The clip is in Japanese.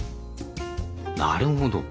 なるほど。